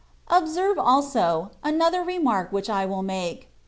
Observe, also, another remark which I will make.